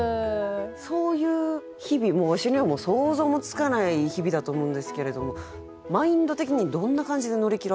そういう日々もうわしにはもう想像もつかない日々だと思うんですけれどもマインド的にどんな感じで乗り切られてるんですか？